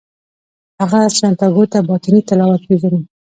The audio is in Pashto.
هغه سانتیاګو ته باطني طلا ورپېژني.